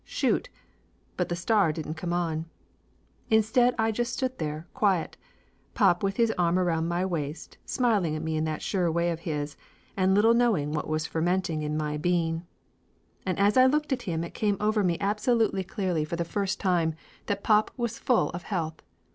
Shoot!" but the star didn't come on. Instead I just stood there quiet, pop with his arm around my waist, smiling at me in that sure way of his, and little knowing what was fermenting in my bean. And as I looked at him it come over me abso Laughter Limited 49 lutely clearly for the first time that pop was full of health.